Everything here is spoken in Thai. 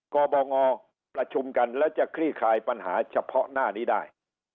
กบงประชุมกันแล้วจะคลี่คลายปัญหาเฉพาะหน้านี้ได้